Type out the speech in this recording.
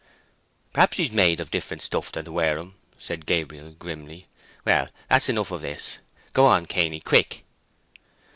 "Perhaps he's made of different stuff than to wear 'em," said Gabriel, grimly. "Well, that's enough of this. Go on, Cainy—quick."